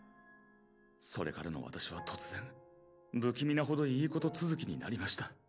それからのわたしは突然不気味なほど良いこと続きになりました。